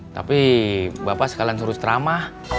tapi bapak sekalian suruh strama